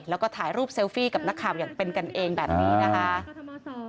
แล้วก็ถ่ายรูปเซลฟี่กับนักข่าวอย่างเป็นกันเองแบบนี้นะคะ